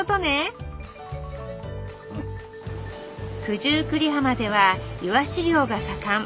九十九里浜ではいわし漁が盛ん。